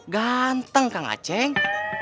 ganteng kang aceh